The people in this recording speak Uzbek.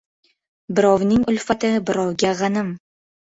Birovning ulfati birovga g‘anim.